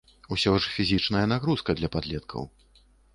Усё ж фізічная нагрузка для падлеткаў.